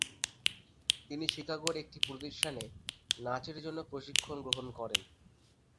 তিনি শিকাগোর একটি প্রতিষ্ঠানে নাচের জন্য প্রশিক্ষণ গ্রহণ করেন।